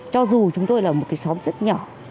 cho dù chúng tôi là một cái xóm rất nhỏ